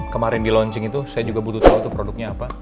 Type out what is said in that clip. kemarin di launching itu saya juga butuh tahu tuh produknya apa